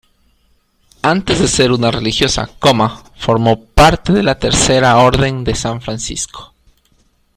Antes de ser una religiosa, formó parte de la Tercera orden de San Francisco.